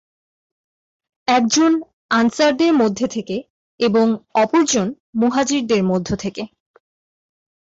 একজন আনসারদের মধ্যে থেকে এবং অপরজন মুহাজির দের মধ্য থেকে।